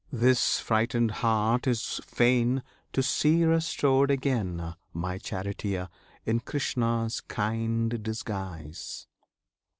This frightened heart is fain To see restored again My Charioteer, in Krishna's kind disguise.